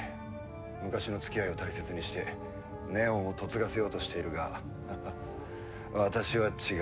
昔の付き合いを大切にして祢音を嫁がせようとしているが私は違う。